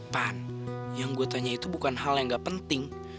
pan yang gotanya itu bukan hal yang gak penting